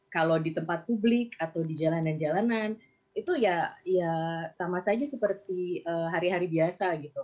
kalau di tempat publik atau di jalanan jalanan itu ya sama saja seperti hari hari biasa gitu